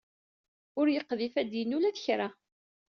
Ur yeqdif ad d-yini ula d kra.